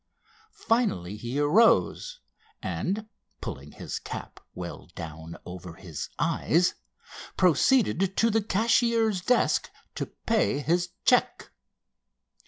Finally he arose, and, pulling his cap well down over his eyes, proceeded to the cashier's desk to pay his check.